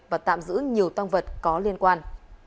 và tạm giữ nhiều tăng vật có liên quan